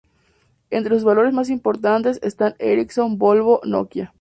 Entre sus valores más importantes están Ericsson, Volvo, Nokia.